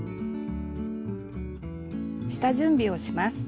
下準備をします。